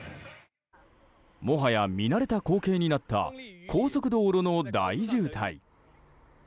もはや見慣れた光景になった高速道路の大渋滞。